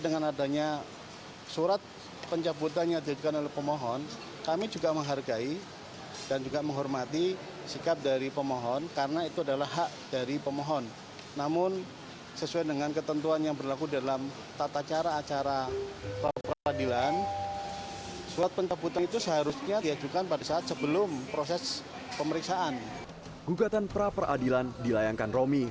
gugatan pra peradilan dilayangkan romi